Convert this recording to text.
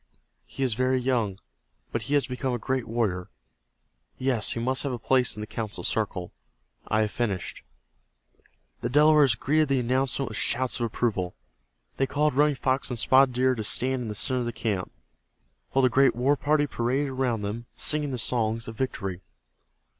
He is very young, but he has become a great warrior. Yes, he must have a place in the council circle. I have finished." The Delawares greeted the announcement with shouts of approval. They called Running Fox and Spotted Deer to stand in the center of the camp, while the great war party paraded around them, singing the songs of victory.